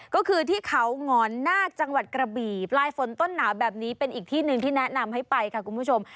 ก็คือที่เขาหงอนนาคจังหวัดกระบี่ปลายฝนต้นหนาวแบบนี้เป็นอีกที่หนึ่งที่แนะนำให้ไปค่ะคุณผู้ชม